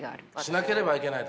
しなければいけない時ね。